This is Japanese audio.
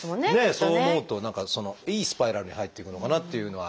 そう思うと何かいいスパイラルに入っていくのかなっていうのはありますけど。